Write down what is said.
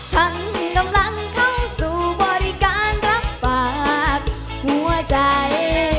ทั้งกำลังเข้าสู่บริการรับฝากหัวใจ